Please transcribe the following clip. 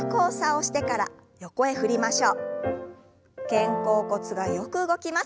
肩甲骨がよく動きます。